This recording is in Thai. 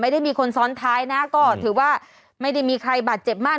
ไม่ได้มีคนซ้อนท้ายนะก็ถือว่าไม่ได้มีใครบาดเจ็บมาก